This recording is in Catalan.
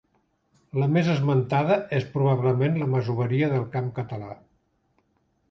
La més esmentada és probablement la masoveria del camp català.